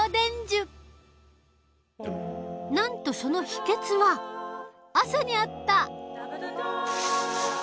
なんとそのヒケツは朝にあった。